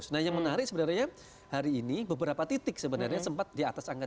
nah yang menarik sebenarnya hari ini beberapa titik sebenarnya sempat di atas angka